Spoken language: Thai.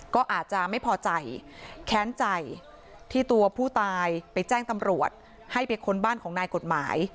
ก็อาจจะไม่พอใจแค้นใจที่ตัวผู้ตายไปแจ้งตำรวจให้ไปค้นบ้านของนายกฎหมาย